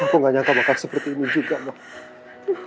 aku gak nyangka makan seperti ini juga mah